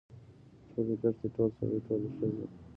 ټولې دښتې ټول سړي ټولې ښځې.